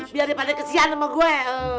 biar pada kesian sama gue